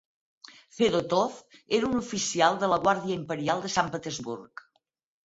Fedotov era un oficial de la Guàrdia Imperial de Sant Petersburg.